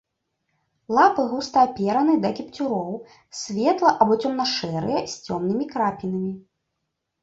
Лапы густа апераны да кіпцюроў, светла- або цёмна-шэрыя, з цёмнымі крапінамі.